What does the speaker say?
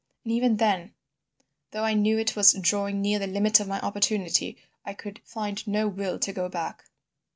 And even then, though I knew it was drawing near the limit of my opportunity, I could find no will to go back."